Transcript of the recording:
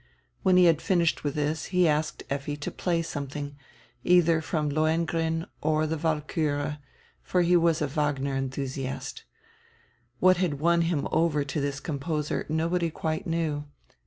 When he had finished with this he asked Effi to play something, either from Lohengrin or the Walkiire, for he was a Wagner enthusiast. What had won him over to this composer nobody quite knew.